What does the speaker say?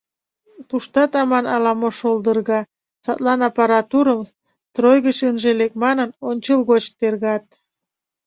Туштат аман ала-мо шолдырга, садлан аппаратурым, строй гыч ынже лек манын, ончылгоч тергат.